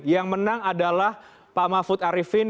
yang menang adalah pak mahfud arifin